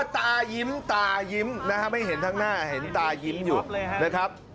ตายิ้มตายิ้มนะฮะไม่เห็นทั้งหน้าเห็นตายิ้มอยู่นะครับ